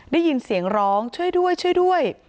ได้ยินเสียงร้องช่วยด้วยช่วยด้วย